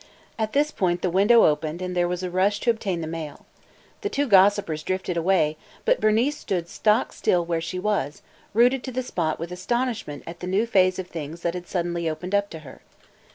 At this point the window opened and there was a rush to obtain the mail. The two gossipers drifted away, but Bernice stood stock still where she was, rooted to the spot with astonishment at the new phase of things that had suddenly opened up to her.